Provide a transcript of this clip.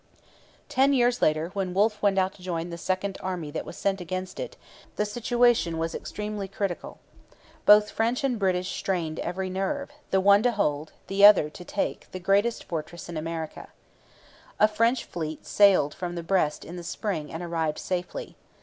Ten years later, when Wolfe went out to join the second army that was sent against it, the situation was extremely critical. Both French and British strained every nerve, the one to hold, the other to take, the greatest fortress in America. A French fleet sailed from Brest in the spring and arrived safely.